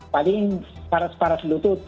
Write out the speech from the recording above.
paling parah parah lutut